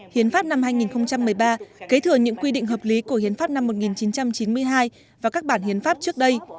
hiến pháp năm hai nghìn một mươi ba kế thừa những quy định hợp lý của hiến pháp năm một nghìn chín trăm chín mươi hai và các bản hiến pháp trước đây